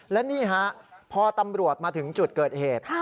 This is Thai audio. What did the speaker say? และนี่ฮะพอตำรวจมาถึงจุดเกิดเหตุ